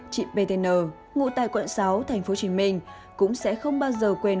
chị p t n ngụ tại quận sáu tp hcm cũng sẽ không bao giờ quên